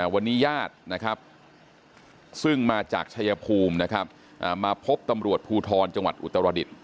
วันนี้ญาติซึ่งมาจากชัยภูมิมาพบตำรวจภูทรจังหวัดอุตรรดิษฐ์